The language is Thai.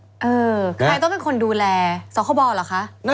เออใครต้องเป็นคนดูแลซ้อคบอลเหรอคะ